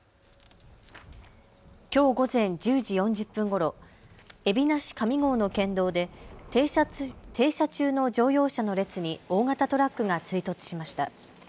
きょう午前１０時４０分ごろ、海老名市上郷の県道で停車中の乗用車の列に大型トラックが追突しました。